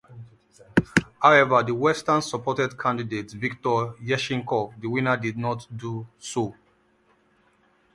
However, the Western-supported candidate Viktor Yushchenko, the winner, did not do so.